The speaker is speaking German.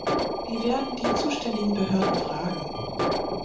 Wir werden die zuständigen Behörden fragen.